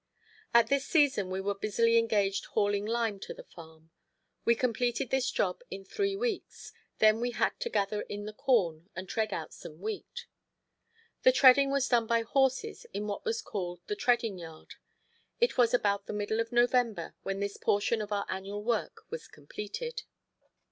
At this season we were busily engaged hauling lime to the farm. We completed this job in three weeks, then we had to gather in the corn and tread out some wheat. The treading was done by horses in what was called the "treading yard." It was about the middle of November when this portion of our annual work was completed.